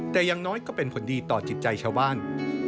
แต่อย่างน้อยก็เป็นผลดีต่อจิตใจชาวบ้าน